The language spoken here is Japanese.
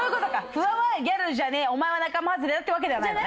フワはギャルじゃねえお前は仲間はずれだっていうわけではないのね。